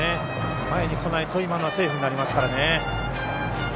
前に来ないと今のはセーフになりますからね。